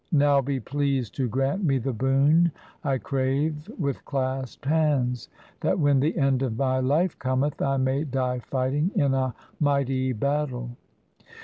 Now be pleased to grant me the boon I crave with clasped hands, That when the end of my life cometh, I may die fighting in a mighty battle.